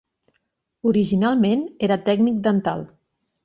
Originalment era tècnic dental.